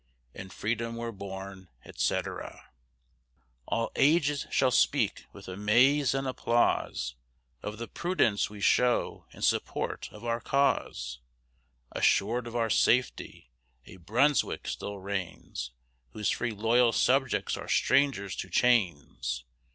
In Freedom we're born, etc. All ages should speak with amaze and applause Of the prudence we show in support of our cause: Assured of our safety, a BRUNSWICK still reigns, Whose free loyal subjects are strangers to chains.